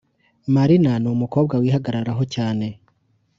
Marina n’umukobwa wihagararaho cyane